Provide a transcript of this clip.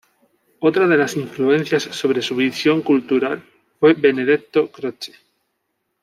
Otra de las influencias sobre su visión cultural fue Benedetto Croce.